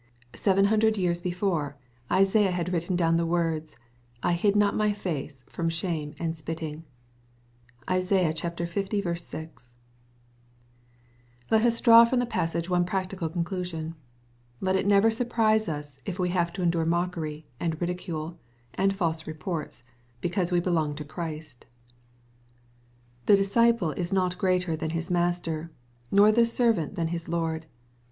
Seven hundred years before, Isaiah had written down the words, " I hid not my face from shame and spitting/' (Isai. 1. 6.) | Let us draw from the passage one practical conclusion. Let it never surprise us, if We have to endure mockery, and ridicule, and false reports, because we belong to Christ. The disciple is not greater than His Master, nor the servant than His Loid.